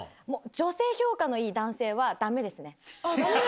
女性評価のいい男性は、だめですね。